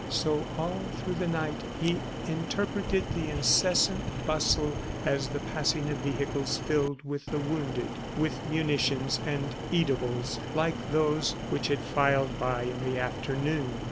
So all through the night, he interpreted the incessant bustle as the passing of vehicles filled with the wounded, with munitions and eatables, like those which had filed by in the afternoon.